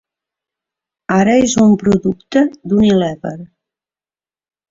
Ara és un producte d'Unilever.